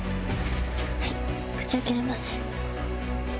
はい口開けれます？